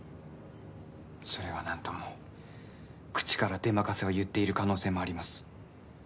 それは何とも口から出任せを言っている可能性もあります